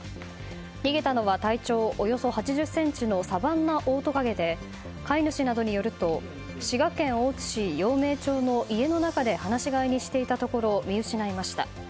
逃げたのは体長およそ８０ｃｍのサバンナオオトカゲで飼い主などによると滋賀県大津市陽明町の家の中で放し飼いにしていたところ見失いました。